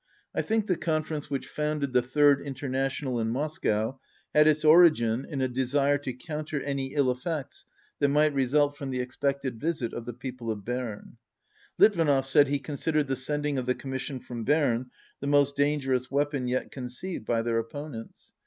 I think the Conference which founded the Third International in Moscow had its origin in a desire to counter any ill effects that might result from the expected visit of the people of Berne. Litvinov said he considered the sending of the Commission from Berne the most dangerous weapon yet conceived by their opponents.